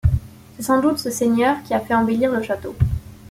C'est sans doute ce seigneur qui a fait embellir le château.